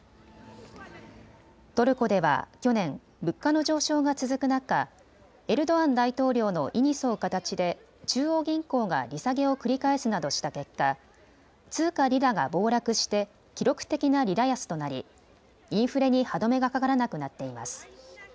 トルコでは去年、物価の上昇が続く中、エルドアン大統領の意に沿う形で中央銀行が利下げを繰り返すなどした結果、通貨リラが暴落して記録的なリラ安となりインフレに歯止めがかからなくなっています。